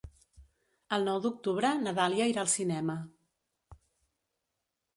El nou d'octubre na Dàlia irà al cinema.